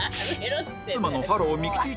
妻の「ハロー！ミキティ」